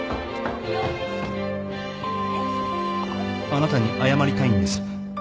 あなたに謝りたいんです